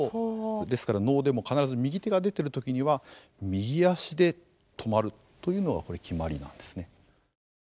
ですから能でも必ず右手が出てる時には右足で止まるというのがこれ決まりなんですね。